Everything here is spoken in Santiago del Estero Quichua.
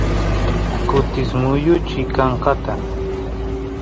kutis muyuchi kankata